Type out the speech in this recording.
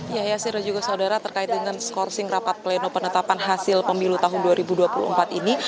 ya yasir dan juga saudara terkait dengan skorsing rapat pleno penetapan hasil pemilu tahun dua ribu dua puluh empat ini